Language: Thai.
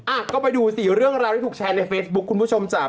อ่ะก็ไปดูสิเรื่องราวที่ถูกแชร์ในเฟซบุ๊คคุณผู้ชมจ้ะ